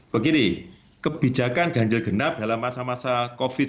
begini kebijakan ganjil genap dalam masa masa covid